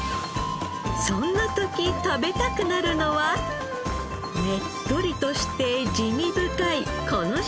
そんな時食べたくなるのはねっとりとして滋味深いこの食材。